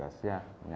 hai dari sekitunya